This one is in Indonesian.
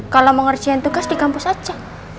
kalau mau ngerjain tugas di kampus aja